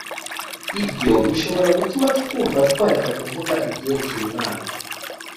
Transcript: ibyo bishobora gutuma twumva twareka kuvuga ibyerekeye imana